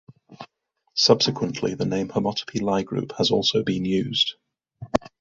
Subsequently the name homotopy Lie group has also been used.